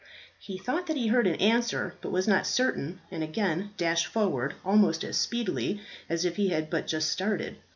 He thought that he heard an answer, but was not certain, and again dashed forward, almost as speedily as if he had but just started.